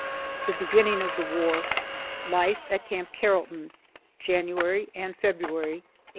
THE BEGINNING OF THE WAR. LIFE AT CAMP CARROLLTON, JANUARY AND FEBRUARY, 1862.